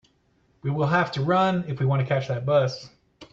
We will have to run if we want to catch that bus.